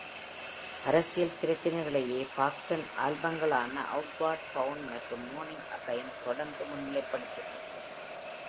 அரசியல் பிரச்சினைகளேயே பாக்ஸ்டன் ஆல்பங்களான "அவுட்வார்டு பௌன்ட்" மற்றும் "மார்னிங் அகைன்" தொடர்ந்து முன்னிலைப்படுத்தின.